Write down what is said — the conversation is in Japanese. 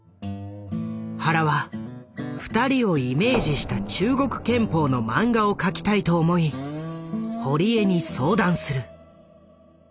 原は２人をイメージした中国拳法の漫画を描きたいと思い堀江に相談する。